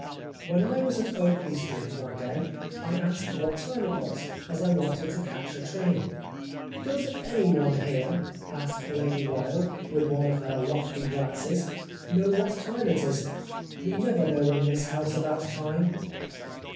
When I was at Oakley Street one day, I asked what time it was, as I wanted to catch a train. "* Does anyone here,' asked Lady Wilde, with one of her lofty glances, ' know what time it is ? We never know in this house about Time.'